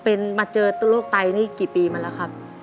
เป็นมาเจอโรคไตนี่กี่ปีมาแล้วครับ